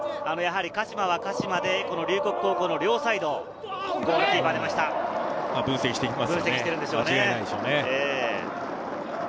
鹿島は鹿島で龍谷高校の両サイドを分析しているのでしょうね。